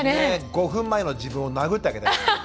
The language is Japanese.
５分前の自分を殴ってあげたいですね。